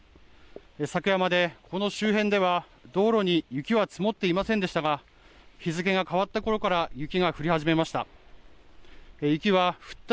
昨夜までこの周辺では道路に雪は積もっていませんでしたが日付が変わったころから雪が降り始めました。